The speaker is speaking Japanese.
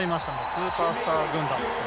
スーパースター軍団です。